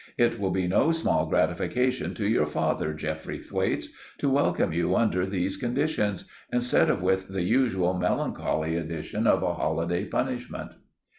It will be no small gratification to your father, Geoffrey Thwaites, to welcome you under these conditions, instead of with the usual melancholy addition of a holiday punishment."